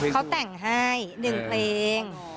เขาแต่งให้๑เพลง